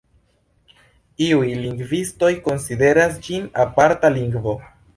Iuj lingvistoj konsideras ĝin aparta lingvo.